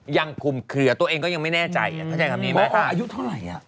ยังภูมิเคลือตัวเองก็ยังไม่แน่ใจเพราะว่าอายุเท่าไหร่